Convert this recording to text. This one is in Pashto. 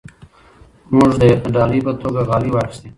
موږ د ډالۍ په توګه غالۍ واخیستې.